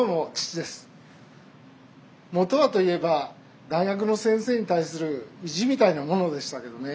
元はと言えば大学の先生に対する意地みたいなものでしたけどね。